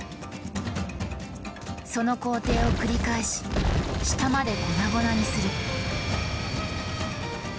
その工程を繰り返し下まで粉々にする。